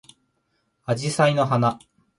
あじさいの花